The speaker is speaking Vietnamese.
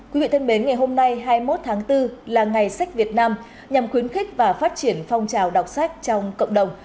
quý vị thân mến ngày hôm nay hai mươi một tháng bốn là ngày sách việt nam nhằm khuyến khích và phát triển phong trào đọc sách trong cộng đồng